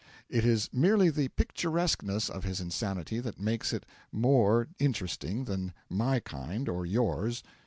It is merely the picturesqueness of his insanity that makes it more interesting than my kind or yours.